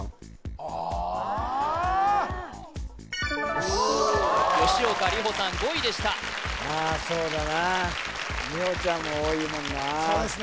ああよし吉岡里帆さん５位でしたまあそうだな里帆ちゃんも多いもんなそうですね